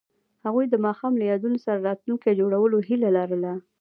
هغوی د ماښام له یادونو سره راتلونکی جوړولو هیله لرله.